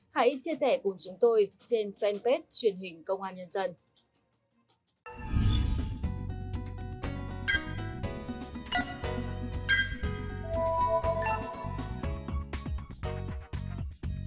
hãy chia sẻ cùng chúng tôi trên fanpage truyền hình công an nhân dân